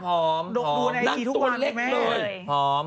ผ่อมดูในอัจริงทุกวันใช่ไหม